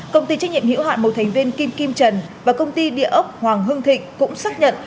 công ty trách nhiệm hữu hạn một thành viên kim kim trần và công ty địa ốc hoàng hưng thịnh cũng xác nhận